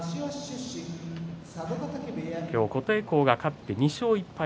今日、琴恵光が勝って２勝１敗。